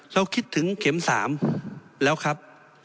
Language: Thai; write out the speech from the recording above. คิดถึงเข็ม๓แล้วครับ